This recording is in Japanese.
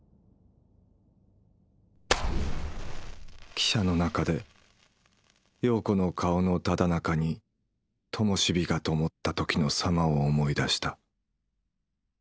汽車の中で葉子の顔のただ中にともし火がともった時の様を思い出した。